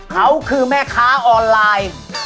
เขาคือแม่ค้าออนไลน์